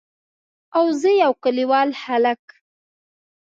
او زه يو کليوال هلک.